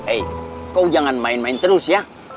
eh kau jangan main main terus ya